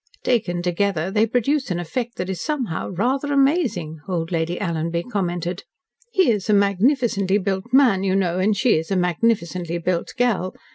"Taken together they produce an effect that is somehow rather amazing," old Lady Alanby commented. "He is a magnificently built man, you know, and she is a magnificently built girl.